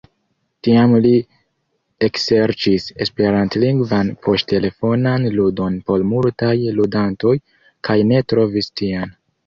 Tiam li ekserĉis esperantlingvan poŝtelefonan ludon por multaj ludantoj, kaj ne trovis tian.